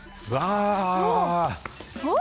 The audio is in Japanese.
あっ？